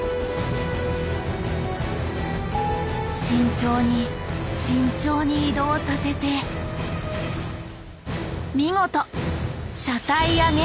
慎重に慎重に移動させて見事「車体上げ」